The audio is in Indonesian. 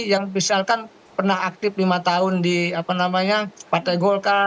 yang misalkan pernah aktif lima tahun di partai golkar